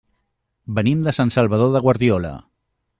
Venim de Sant Salvador de Guardiola.